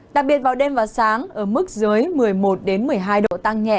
đặc biệt vào đêm và sáng ở mức dưới một mươi một một mươi hai độ tăng nhẹ